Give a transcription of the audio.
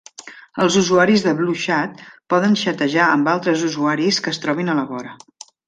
Els usuaris de BlueChat poden xatejar amb altres usuaris que es trobin a la vora.